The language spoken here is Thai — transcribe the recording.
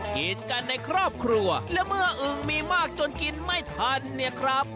กินกันในครอบครัวและเมื่ออึงมีมากจนกินไม่ทันเนี่ยครับ